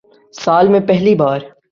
سال میں پہلی بار